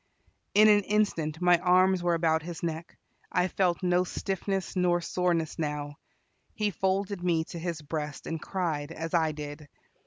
In an instant my arms were about his neck I felt no stiffness nor soreness now. He folded me to his breast, and cried, as I did.